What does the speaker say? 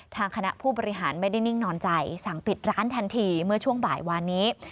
ทางคณะผู้บริหารไม่ได้นิ่งนอนใจสั่งปิดร้านทันทีเมื่อช่วงบ่ายวานนี้